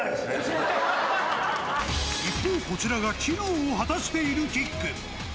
一方、こちらが機能を果たしているキック。